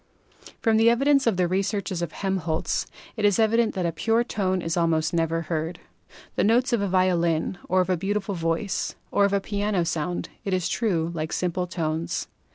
From the evidence of the researches of Helmholtz it is evident that a pure tone is almost never heard. The notes of a violin, or of a beautiful voice, or of a piano sound, it is true, like simple tones.